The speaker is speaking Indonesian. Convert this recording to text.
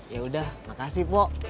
yaudah makasih pok